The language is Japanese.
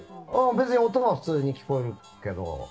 別に音は普通に聞こえるけど。